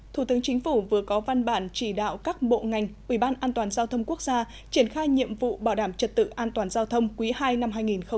thủ tướng chính phủ vừa có văn bản chỉ đạo các bộ ngành ubndgqg triển khai nhiệm vụ bảo đảm trật tự an toàn giao thông quý ii năm hai nghìn hai mươi